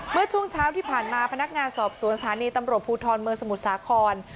เมื่อช่วงเช้าที่ผ่านมาพนักงานสอบสวนสถานีตำรวจภูทรเมืองสมุทรสาคร